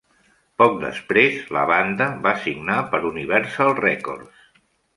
Poc després, la banda va signar per Universal Records.